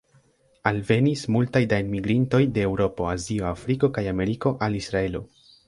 Alvenis multaj da enmigrintoj de Eŭropo, Azio, Afriko kaj Ameriko al Israelo.